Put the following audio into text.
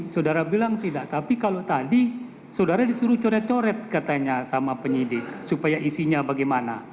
saudara bilang tidak tapi kalau tadi saudara disuruh coret coret katanya sama penyidik supaya isinya bagaimana